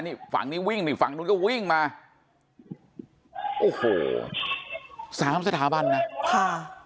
นี่ฝั่งนี้วิ่งนี่ฝั่งนู้นก็วิ่งมาโอ้โหสามสถาบันนะค่ะ